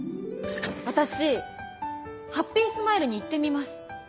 私ハッピースマイルに行ってみます。